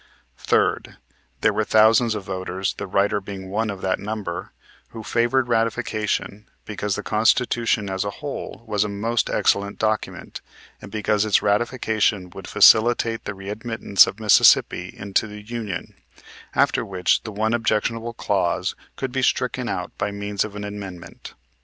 Third. There were thousands of voters, the writer being one of that number, who favored ratification because the Constitution as a whole was a most excellent document, and because its ratification would facilitate the readmittance of Mississippi into the Union; after which the one objectionable clause could be stricken out by means of an amendment.